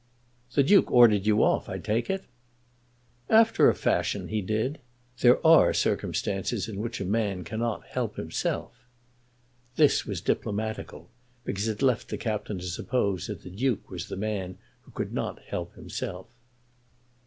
"The Duke ordered you off, I take it." "After a fashion he did. There are circumstances in which a man cannot help himself." This was diplomatical, because it left the Captain to suppose that the Duke was the man who could not help himself.